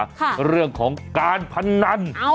เรื่องของการพนัน